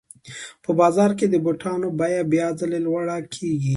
په بازار کې د بوټانو بیه بیا ځلي لوړه کېږي